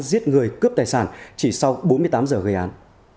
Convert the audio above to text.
giết người cướp tài sản chỉ sau bốn mươi tám giờ gây án